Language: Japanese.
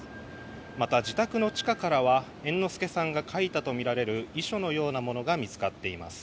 また、自宅の地下からは猿之助さんが書いたとみられる遺書のようなものが見つかっています。